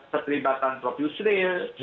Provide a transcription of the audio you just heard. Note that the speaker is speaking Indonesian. terlibatan prof yusril